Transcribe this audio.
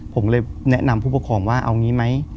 ผมเลยแนะนำผู้ประคองว่าเอาอย่างนี้ไหม